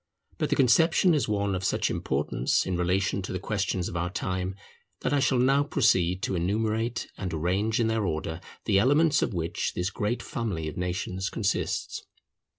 But the conception is one of such importance in relation to the questions of our time, that I shall now proceed to enumerate and arrange in their order the elements of which this great family of nations consists.